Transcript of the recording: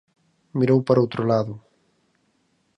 Mirou para outro lado.